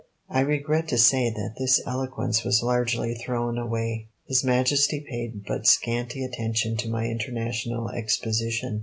I regret to say that this eloquence was largely thrown away. His Majesty paid but scanty attention to my international exposition.